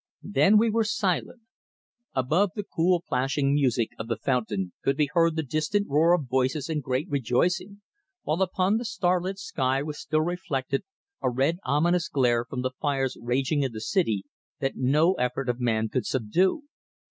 Then we were silent. Above the cool plashing music of the fountain could be heard the distant roar of voices in great rejoicing, while upon the starlit sky was still reflected a red ominous glare from the fires raging in the city that no effort of man could subdue.